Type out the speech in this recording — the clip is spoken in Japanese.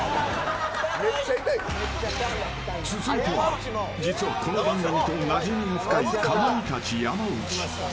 続いては実は、この番組となじみ深いかまいたち山内。